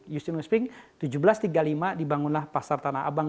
justinus pink seribu tujuh ratus tiga puluh lima dibangunlah pasar tanah abang